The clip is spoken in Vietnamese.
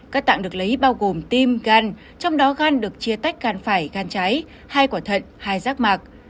các tạng được lấy bao gồm tim gan trong đó gan được chia tách gan phải gan cháy hai quả thận hai rác mạc